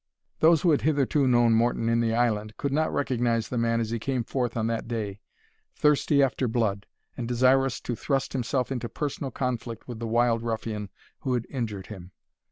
Those who had hitherto known Morton in the island, could not recognise the man as he came forth on that day, thirsty after blood, and desirous to thrust himself into personal conflict with the wild ruffian who had injured him.